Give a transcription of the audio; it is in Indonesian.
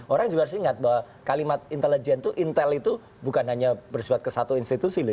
orang juga harus ingat bahwa kalimat intelijen itu intel itu bukan hanya bersifat ke satu institusi